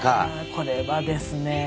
これはですね